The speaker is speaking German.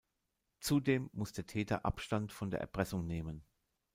Zudem muss der Täter Abstand von der Erpressung nehmen.